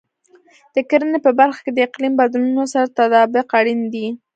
د کرنې په برخه کې د اقلیم بدلونونو سره تطابق اړین دی.